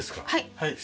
はい。